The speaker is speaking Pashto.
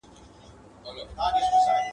خوب ته دي راغلی یم شېبه یمه هېرېږمه !.